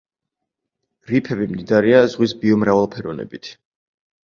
რიფები მდიდარია ზღვის ბიომრავალფეროვნებით.